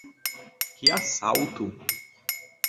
Que assalto!